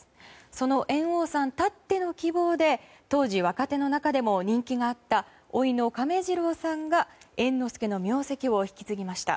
その猿翁さんたっての希望で当時、若手の中でも人気があったおいの亀治郎さんが猿之助の名跡を引き継ぎました。